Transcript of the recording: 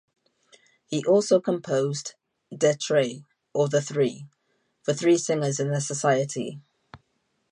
He also composed "De Tre", or "The Three", for three singers in the society.